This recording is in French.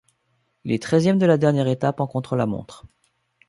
Il est treizième de la dernière étape, un contre-la-montre.